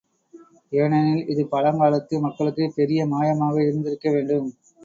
ஏனெனில், இது பழங்காலத்து மக்களுக்குப் பெரிய மாயமாக இருந்திருக்கவேண்டும்.